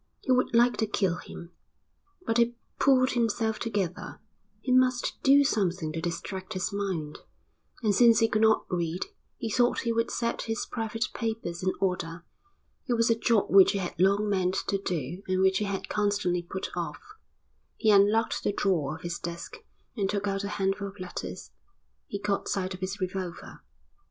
He would like to kill him. But he pulled himself together. He must do something to distract his mind, and since he could not read he thought he would set his private papers in order. It was a job which he had long meant to do and which he had constantly put off. He unlocked the drawer of his desk and took out a handful of letters. He caught sight of his revolver.